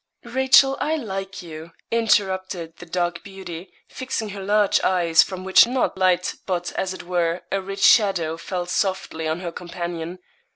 'Rachel, I like you,' interrupted the dark beauty, fixing her large eyes, from which not light, but, as it were, a rich shadow fell softly on her companion.